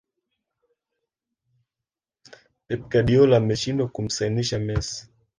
pep guardiola ameshindwa kumsainisha messi